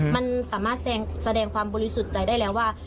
มันสามารถแสดงความบริสุทธิ์ใจได้แล้วว่า